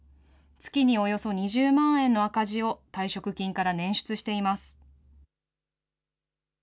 月におよそ２０万円の赤字を、退職金から捻出しています。